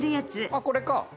あっこれか！